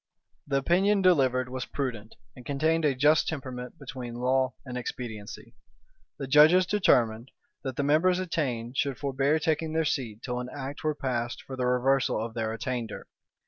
The opinion delivered was prudent, and contained a just temperament between law and expediency.[] The judges determined, that the members attainted should forbear taking their seat till an act were passed for the reversal of their attainder.